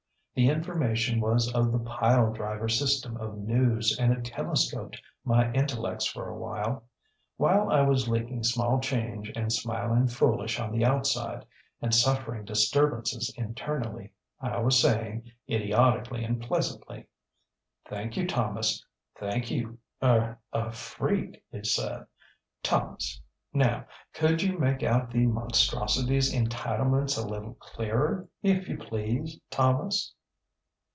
The information was of the pile driver system of news, and it telescoped my intellects for a while. While I was leaking small change and smiling foolish on the outside, and suffering disturbances internally, I was saying, idiotically and pleasantly: ŌĆ£ŌĆśThank you, ThomasŌĆöthank youŌĆöerŌĆöa freak, you said, Thomas. Now, could you make out the monstrosityŌĆÖs entitlements a little clearer, if you please, Thomas?